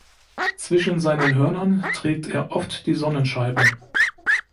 Zwischen seinen Hörnern trägt er oft die Sonnenscheibe.